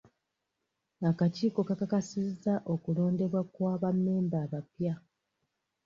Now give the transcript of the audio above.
Akakiiko kakakasizza okulondebwa kwa ba memba abapya.